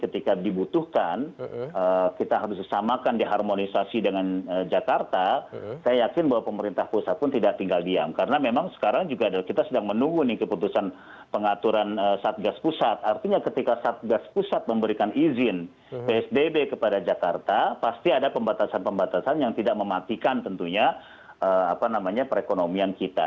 ketika dibutuhkan kita harus disamakan diharmonisasi dengan jakarta saya yakin bahwa pemerintah pusat pun tidak tinggal diam karena memang sekarang juga kita sedang menunggu nih keputusan pengaturan satgas pusat artinya ketika satgas pusat memberikan izin psbb kepada jakarta pasti ada pembatasan pembatasan yang tidak mematikan tentunya apa namanya perekonomian kita